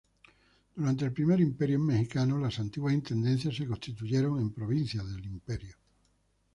Durante el Primer Imperio Mexicano las antiguas intendencias se constituyeron en provincias del imperio.